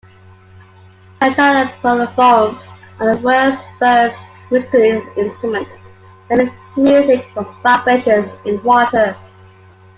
Hydraulophones are the world's first musical instrument that makes music from vibrations in water.